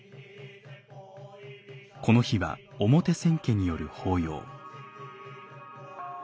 この日は表千家による法要。